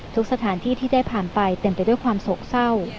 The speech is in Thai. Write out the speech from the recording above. ทุกสถานที่ที่ได้ผ่านไปเต็มแรงเต็มด้วยความโศกเศร้า